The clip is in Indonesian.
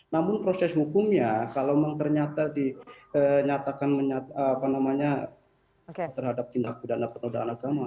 namun proses hukumnya kalau memang ternyata dinyatakan terhadap tindak pidana penodaan agama